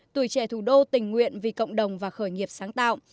tuổi trẻ thủ đô tình nguyện vì cộng đồng và khởi nghiệp sáng tạo